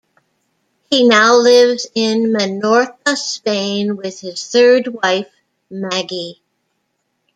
He now lives in Menorca, Spain, with his third wife, Maggie.